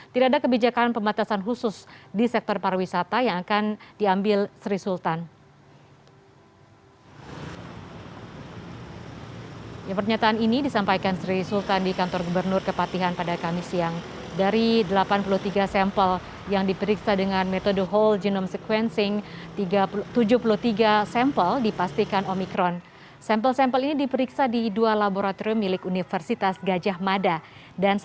tidak ada kebijakan pembatasan khusus di sektor pariwisata yang akan diambil sri sultan